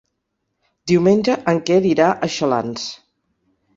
Diumenge en Quer irà a Xalans.